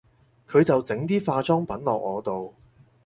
佢就整啲化妝品落我度